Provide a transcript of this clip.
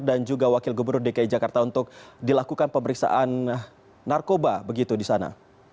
dan juga wakil gubernur dki jakarta untuk dilakukan pemeriksaan narkoba begitu di sana